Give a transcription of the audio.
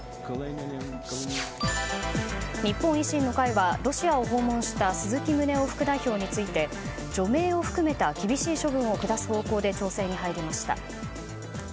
日本維新の会はロシアを訪問した鈴木宗男副代表について除名を含めた厳しい処分を下す方向で調整に入りました。